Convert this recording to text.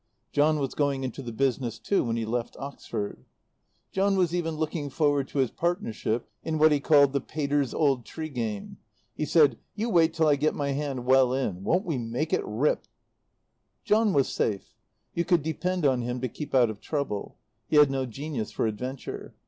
John was going into the business too when he left Oxford. John was even looking forward to his partnership in what he called "the Pater's old tree game." He said, "You wait till I get my hand well in. Won't we make it rip!" John was safe. You could depend on him to keep out of trouble. He had no genius for adventure.